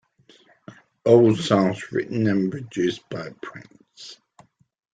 All songs written and produced by Prince.